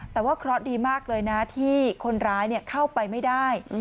แต่ว่าเคราะห์ดีมากเลยนะที่คนร้ายเข้าไปไม่ได้